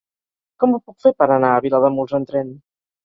Com ho puc fer per anar a Vilademuls amb tren?